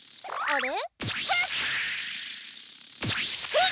あれ？